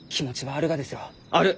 ある！